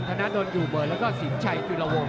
ธนดลอยู่เบิร์ดแล้วก็สินชัยจุลวง